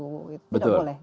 tidak boleh di